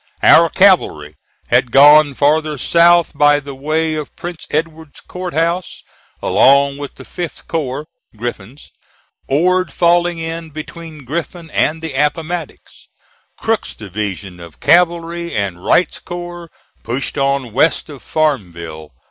Our cavalry had gone farther south by the way of Prince Edward's Court House, along with the 5th corps (Griffin's), Ord falling in between Griffin and the Appomattox. Crook's division of cavalry and Wright's corps pushed on west of Farmville.